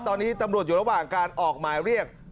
ตอนนี้ตำรวจอยู่ระหว่างการออกหมายเรียก